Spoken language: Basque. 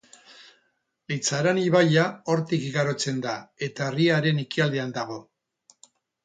Leitzaran ibaia hortik igarotzen da, eta herriaren ekialdean dago.